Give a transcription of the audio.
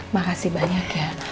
makasih banyak ya